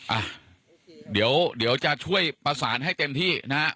อ่ะเดี๋ยวเดี๋ยวจะช่วยประสานให้เต็มที่นะฮะ